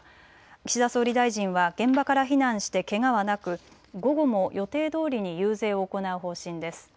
岸田総理大臣は現場から避難してけがはなく午後も予定どおりに遊説を行う方針です。